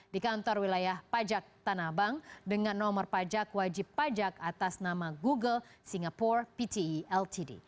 di kantor wilayah pajak tanah abang dengan nomor pajak wajib pajak atas nama google singapore pte ltd